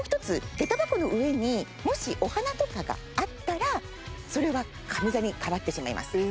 げた箱の上にもしお花とかがあったらそれは上座に変わってしまいます。